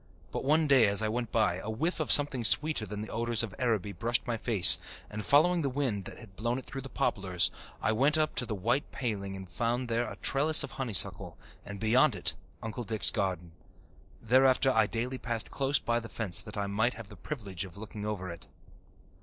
But one day as I went by, a whiff of something sweeter than the odours of Araby brushed my face and, following the wind that had blown it through the poplars, I went up to the white paling and found there a trellis of honeysuckle, and beyond it Uncle Dick's garden. Thereafter I daily passed close by the fence that I might have the privilege of looking over it.